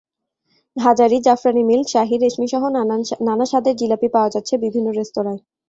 হাজারি, জাফরানি মিল্ক, শাহি, রেশমিসহ নানা স্বাদের জিলাপি পাওয়া যাচ্ছে বিভিন্ন রেস্তোরাঁয়।